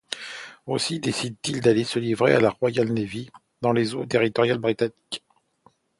Aussi décident-ils d'aller se livrer à la Royal Navy, dans les eaux territoriales britanniques.